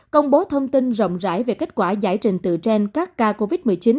công bố thông tin rộng rãi về kết quả giải trình từ trên các ca covid một mươi chín